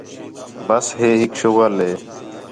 ٻس ہے ہِک شُغل ہِے